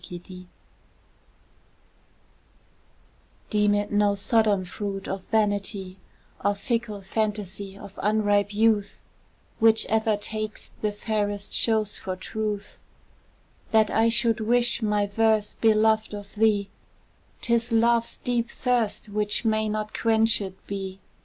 VI. TO Deem it no Sodom fruit of vanity, Or fickle fantasy of unripe youth Which ever takes the fairest shows for truth, That I should wish my verse beloved of thee; 'Tis love's deep thirst which may not quenchèd be.